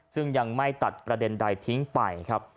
ซึ่งยังไม่ตัดประเด็นใดทิ้งไปครับ